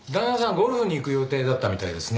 ゴルフに行く予定だったみたいですね。